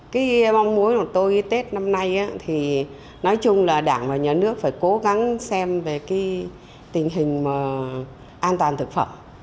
cái mong muốn của tôi tết năm nay thì nói chung là đảng và nhà nước phải cố gắng xem về cái tình hình an toàn thực phẩm